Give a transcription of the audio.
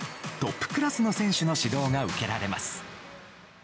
トップクラスの選手の指導が受けられます。